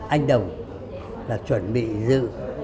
anh đồng là chuẩn bị dự